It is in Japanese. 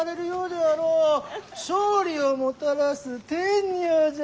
勝利をもたらす天女じゃ。